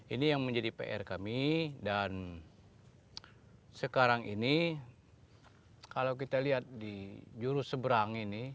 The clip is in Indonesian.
ini yang menjadi pr kami dan sekarang ini kalau kita lihat di juru seberang ini